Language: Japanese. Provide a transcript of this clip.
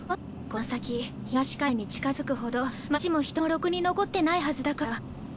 この先東海岸に近づくほど街も人もろくに残ってないはずだから。